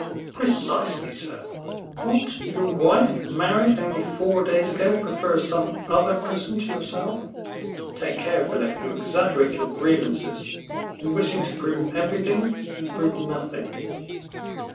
"Precisely so." "What, your wife, married only four days ago, prefers some other person to yourself? Take care, Philip, you exaggerate your grievances; in wishing to prove everything, you prove nothing."